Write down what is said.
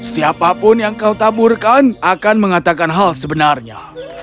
siapapun yang kau taburkan akan mengatakan hal sebenarnya